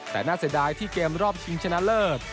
แต่น่าเสียดายที่เกมรอบชิงชนะเลิศ